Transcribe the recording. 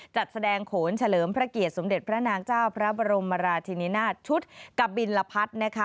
จัดแสดงโขนเฉลิมพระเกียรติสมเด็จพระนางเจ้าพระบรมราชินินาศชุดกะบินลพัฒน์นะคะ